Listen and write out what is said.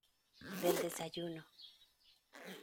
del desayuno.